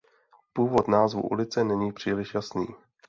Původ názvu ulice není příliš jasný.